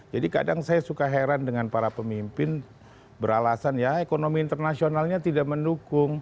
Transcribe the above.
jadi kadang saya suka heran dengan para pemimpin beralasan ya ekonomi internasionalnya tidak mendukung